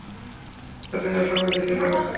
এতটাই আশাবাদী ছিলেন।